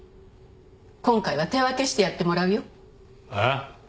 今回は手分けしてやってもらうよえっ？